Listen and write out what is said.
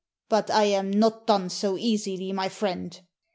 But I am not done so easily, my friend.